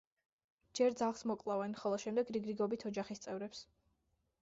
ჯერ ძაღლს მოკლავენ, ხოლო შემდეგ რიგ-რიგობით ოჯახის წევრებს.